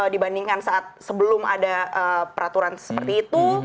dibandingkan saat sebelum ada peraturan seperti itu